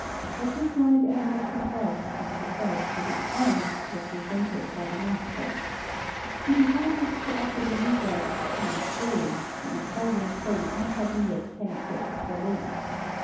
That this light evanescent work should be preferred to his own, was resented by the master. He decided to offer the new works to Count Brühl, the Italian craze not having yet penetrated Berlin.